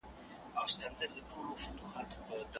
که ته پوښتنه لرې نو آنلاین یې وپلټه.